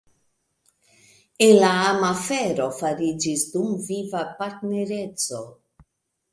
El la amafero fariĝis dumviva partnereco.